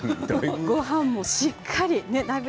ごはんもしっかり。